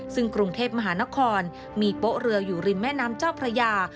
ซึ่งกรุงเทพมหานครมีโป๊ะเรืออยู่ริมแม่น้ำเจ้าพระยา